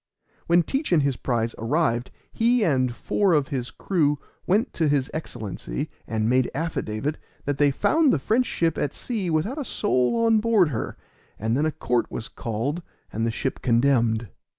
When Teach and his prize arrived he and four of his crew went to his Excellency and made affidavit that they found the French ship at sea without a soul on board her; and then a court was called, and the ship condemned.